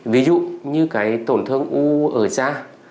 ví dụ như tổn thương u ở da